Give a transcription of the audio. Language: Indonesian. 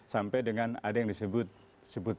sampai dengan ada yang disebut